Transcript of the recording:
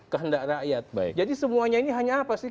kehendak rakyat baik jadi semuanya ini hanya apa sih